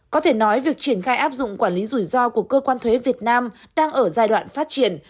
có thể nói việc triển khai áp dụng quản lý rủi ro của cơ quan thuế việt nam đang ở giai đoạn phát triển